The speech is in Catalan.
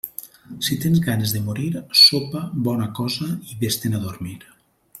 Si tens ganes de morir, sopa bona cosa i vés-te'n a dormir.